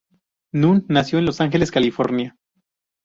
Nunn nació en Los Ángeles, California.